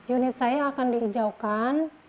unit saya akan diijaukan